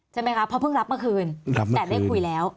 ใช่ไหมคะเพราะเพิ่งรับเมื่อคืนแต่ได้คุยแล้ว